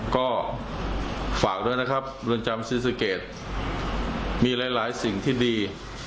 ก็ฝากด้วยนะครับเรือนจำศรีสะเกดมีหลายสิ่งที่ดี